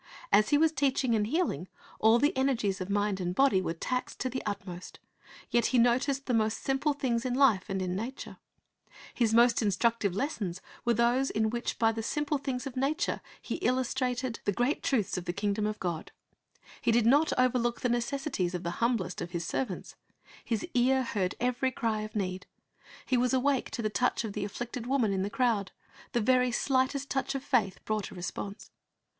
As He was teaching and healing, all the energies of mind and body were taxed to the utmost; yet He noticed the most simple things in life and in nature. His most instructive lessons were those in which by the simple things of nature He illustrated the 1 Dan. I : 17 358 Christ's Object Lessons great truths of the kingdom of God. He did not oxerlook the necessities of the humblest of His sei^vants. His ear heard every cry of need. He was awake to the touch of the afflicted woman in the crowd; the very sHghtest touch of faith brought a response.